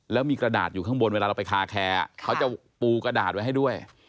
แล้วมีกระดาษอยู่ข้างบนเวลาเราไปคาแคร์เขาจะปูกระดาษไว้ให้ด้วย